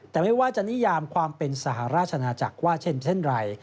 แต่ไม่ว่าจะนิยามความเป็นสหราชนาจักรว่าเช่นไร